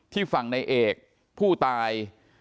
ที่ฝั่งนายเอกพู่ตาย